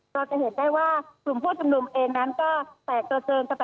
เราจะเห็นได้ว่ากลุ่มผู้ชมนมเองนั้นก็แปลกตัวเจินตะแตดตาย